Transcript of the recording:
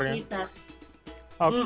iya antar komunitas